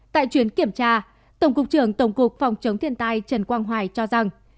tại chuyến kiểm tra tổng cục trưởng tổng cục phòng chống thiên tai trần quang hoài cho rằng